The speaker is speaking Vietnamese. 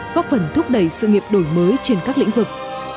góp phần thúc đẩy sự nghiệp đổi mới trên các lĩnh vực